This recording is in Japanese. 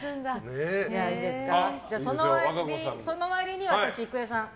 その割には私、郁恵さん